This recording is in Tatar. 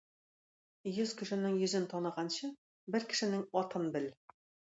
Йөз кешенең йөзен таныганчы бер кешенең атын бел!